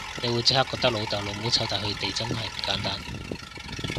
你會即刻覺得老豆老母湊大佢哋真係唔簡單